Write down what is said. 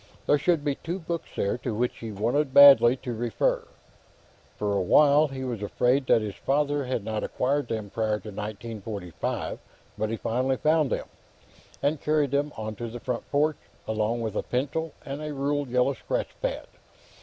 There should be two books there to which he wanted badly to refer. For a while, he was afraid that his father had not acquired them prior to 1945, but he finally found them, and carried them onto the front porch, along with a pencil and a ruled yellow scratch pad.